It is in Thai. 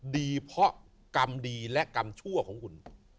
ดีเพราะกรรมดีและกรรมชั่วของคุณ